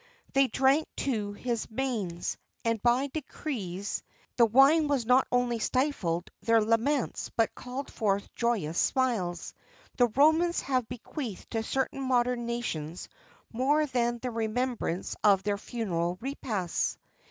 [XXX 35] They drank to his manes, and, by degrees, the wine not only stifled their laments but called forth joyous smiles. The Romans have bequeathed to certain modern nations more than the remembrance of their funeral repasts.